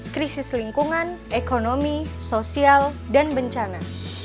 krisis lingkungan ekonomi sosial dan bencana